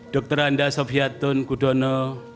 dr anda sofiatun kudono